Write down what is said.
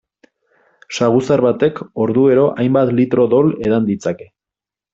Saguzar batek orduero hainbat litro odol edan ditzake.